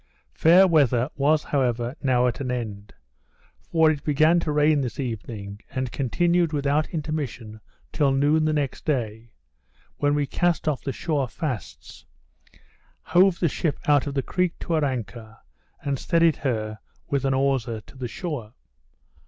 Fair weather was, however, now at an end; for it began to rain this evening, and continued without intermission till noon the next day, when we cast off the shore fasts, hove the ship out of the creek to her anchor, and steadied her with an hawser to the shore.